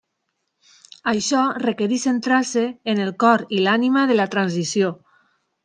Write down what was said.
Això requereix centrar-se en el cor i l'ànima de la transició.